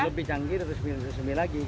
lebih canggih dan lebih resmi lagi